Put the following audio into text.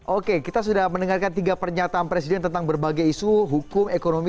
oke kita sudah mendengarkan tiga pernyataan presiden tentang berbagai isu hukum ekonomi